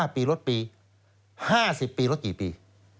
๕ปีลดปี๕๐ปีลดกี่ปี